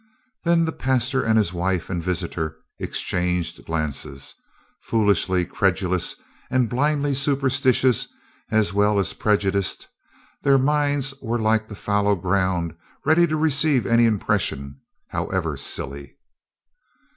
Then the pastor and his wife and visitor exchanged glances. Foolishly credulous and blindly superstitious, as well as prejudiced, their minds were like the fallow ground ready to receive any impression, however silly.